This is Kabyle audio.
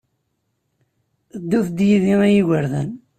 Ddut-d yid-i a igerdan.